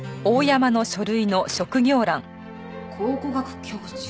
「考古学教授」